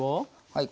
はい。